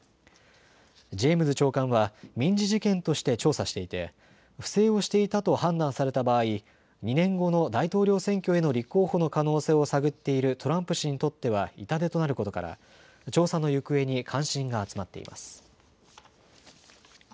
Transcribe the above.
ジェームズ長官は民事事件として調査していて不正をしていたと判断された場合、２年後の大統領選挙への立候補の可能性を探っているトランプ氏にとっては痛手となることから調査の行方に関心が集まっています。